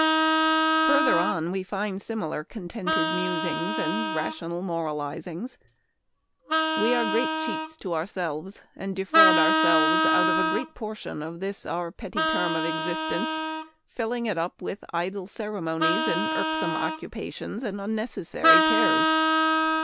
Further on we find similar contented mus ings and rational moralizings :" We are great cheats to ourselves, and defraud ourselves out of a great portion of this our petty term of ex istence, filling it up with idle ceremonies and irksome occupations and unnecessary cares.